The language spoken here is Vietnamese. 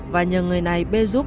và nhờ người này bê giúp